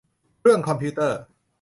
เครื่องคอมพิวเตอร์